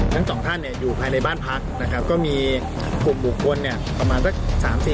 สาธารณ์อินิสัยพลานอยู่พร้อมรอบเกินเวลาเมื่อดีปกติ